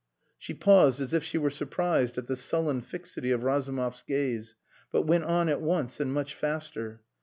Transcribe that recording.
She paused as if she were surprised at the sullen fixity of Razumov's gaze, but went on at once, and much faster.